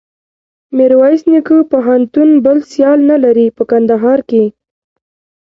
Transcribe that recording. میرویس نیکه پوهنتون بل سیال نلري په کندهار کښي.